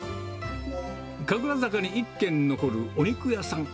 神楽坂に１軒残るお肉屋さん。